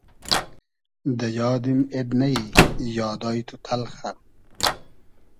دۂ یادیم اېد نئیی یادای تو تئلخۂ